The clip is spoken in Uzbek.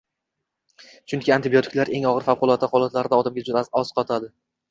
chunki antibiotiklar eng og‘ir — favqulodda holatlarda odamga juda asqotadi»